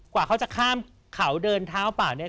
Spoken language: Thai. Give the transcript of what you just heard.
กว่าเขาจะข้ามเขาเดินเท้าเปล่าเนี่ย